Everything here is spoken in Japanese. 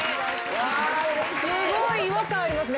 すごい違和感ありますね